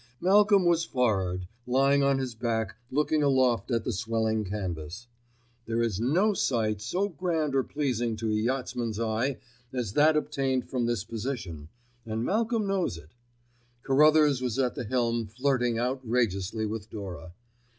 Malcolm was for'ard, lying on his back looking aloft at the swelling canvas. There is no sight so grand or pleasing to a yachtsman's eye as that obtained from this position, and Malcolm knows it. Carruthers was at the helm flirting outrageously with Dora.